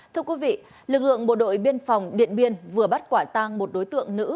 lực lượng bộ đội biên phòng điện biên vừa bắt quả tăng một đối tượng nữ